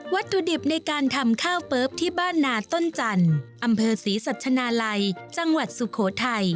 ตุดิบในการทำข้าวเปิ๊บที่บ้านนาต้นจันทร์อำเภอศรีสัชนาลัยจังหวัดสุโขทัย